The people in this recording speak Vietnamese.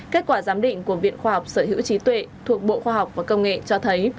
kết quả giám định của viện khoa học sở hữu trí tuệ thuộc bộ khoa học và công nghệ cho thấy